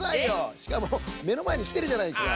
しかもめのまえにきてるじゃないですか。